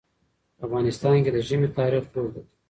په افغانستان کې د ژمی تاریخ اوږد دی.